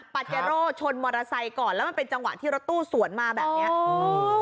ปาเจโร่ชนมอเตอร์ไซค์ก่อนแล้วมันเป็นจังหวะที่รถตู้สวนมาแบบเนี้ยอืม